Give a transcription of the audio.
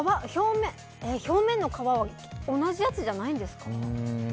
表面の皮は同じやつじゃないんですか？